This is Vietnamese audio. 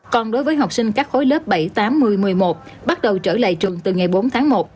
còn đối với học sinh các khối lớp bảy tám một mươi một mươi một bắt đầu trở lại trường từ ngày bốn tháng một